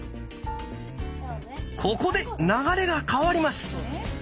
ここで流れが変わります。